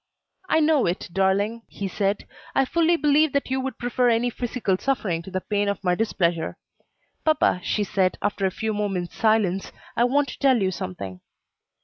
"I know it, darling," he said, "I fully believe that you would prefer any physical suffering to the pain of my displeasure." "Papa," she said, after a few moments' silence, "I want to tell you something."